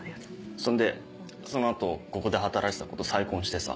そんでその後ここで働いてた子と再婚してさ。